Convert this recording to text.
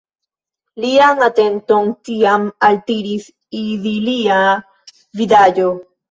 Lian atenton tiam altiris idilia vidaĵo.